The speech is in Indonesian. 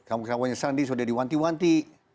kawan kawannya sandi sudah diwanti wanti